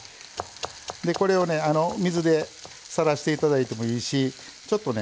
これを水でさらしていただいてもいいしちょっとね